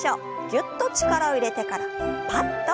ぎゅっと力を入れてからパッと。